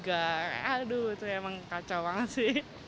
aduh itu emang kacau banget sih